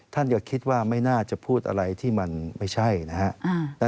ท่านก็คิดว่าไม่น่าจะพูดอะไรที่มันไม่ใช่นะฮะ